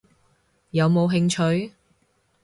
有冇興趣？